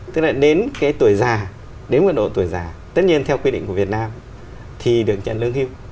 tức là đến cái tuổi già đến độ tuổi già tất nhiên theo quy định của việt nam thì được nhận lương hưu